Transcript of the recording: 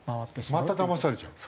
まただまされちゃうの？